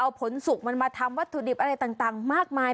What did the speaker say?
เอาผลสุกมันมาทำวัตถุดิบอะไรต่างมากมาย